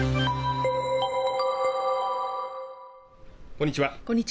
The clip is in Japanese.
こんにちは